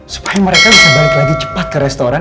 supaya mereka bisa balik lagi cepat ke restoran